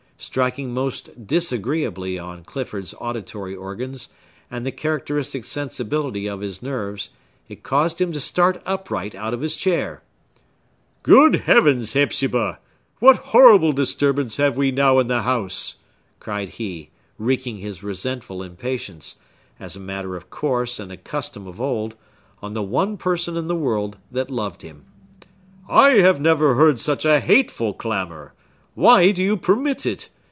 Striking most disagreeably on Clifford's auditory organs and the characteristic sensibility of his nerves, it caused him to start upright out of his chair. "Good heavens, Hepzibah! what horrible disturbance have we now in the house?" cried he, wreaking his resentful impatience—as a matter of course, and a custom of old—on the one person in the world that loved him. "I have never heard such a hateful clamor! Why do you permit it?